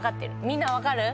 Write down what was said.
みんな分かる？